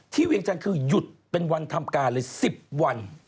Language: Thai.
เวียงจันทร์คือหยุดเป็นวันทำการเลย๑๐วัน